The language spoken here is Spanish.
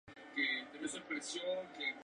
Es extraída de los árboles.